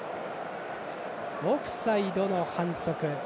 オフサイドの反則。